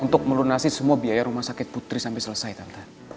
untuk melunasi semua biaya rumah sakit putri sampai selesai tante